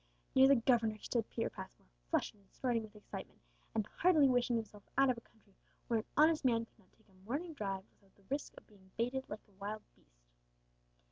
Near the governor stood Peter Passmore, flushed and snorting with excitement, and heartily wishing himself out of a country where an honest man could not take a morning drive without the risk of being baited like a wild beast.